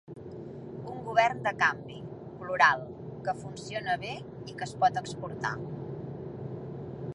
Un govern de canvi, plural, que funciona bé i que es pot exportar.